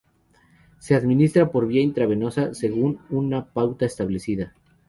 Se administra por vía intravenosa según una pauta establecida